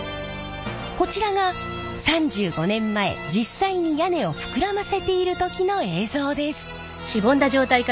こちらが３５年前実際に屋根を膨らませている時の映像です。